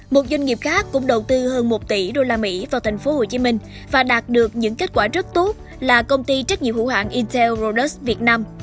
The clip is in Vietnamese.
một doanh nghiệp khác cũng đầu tư hơn một tỷ usd vào tp hcm và đạt được những kết quả rất tốt là công ty trách nhiệm hữu hạng intel rodus việt nam